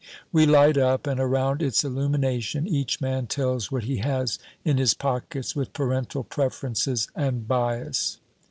We light up, and around its illumination each man tells what he has in his pockets, with parental preferences and bias.